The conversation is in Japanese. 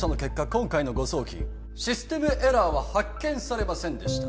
今回の誤送金システムエラーは発見されませんでした